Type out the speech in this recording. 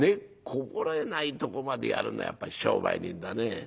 こぼれないとこまでやるのはやっぱり商売人だね。